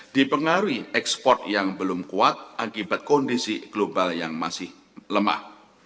dipengaruhi ekspor yang belum kuat akibat kondisi global yang masih lemah